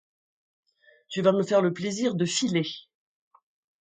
Tu vas me faire le plaisir de filer !